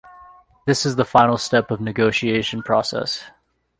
This is the final step of negotiation process.